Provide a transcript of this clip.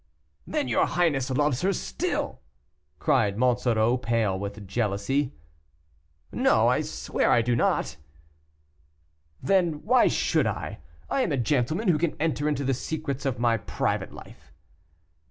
"Then your highness loves her still!" cried Monsoreau, pale with jealousy. "No, I swear I do not." "Then, why should I? I am a gentleman; who can enter into the secrets of my private life?"